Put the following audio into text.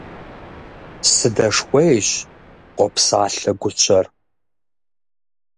– Сыдэшхуейщ, – къопсалъэ гущэр.